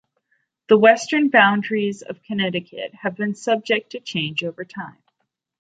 The western boundaries of Connecticut have been subject to change over time.